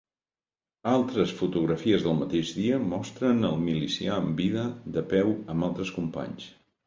Altres fotografies del mateix dia mostren al milicià amb vida de peu amb altres companys.